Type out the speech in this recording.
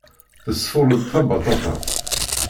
Tesfuṛ-d tabaṭaṭat.